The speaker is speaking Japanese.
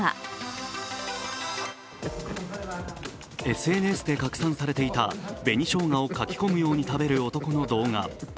ＳＮＳで拡散されていた紅しょうがをかき込むように食べる男の動画。